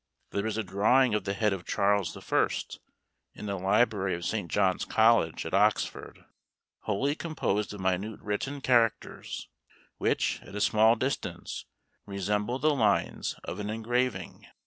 There is a drawing of the head of Charles I. in the library of St. John's College, at Oxford, wholly composed of minute written characters, which, at a small distance, resemble the lines of an engraving.